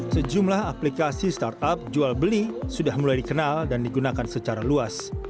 sejumlah aplikasi startup jual beli sudah mulai dikenal dan digunakan secara luas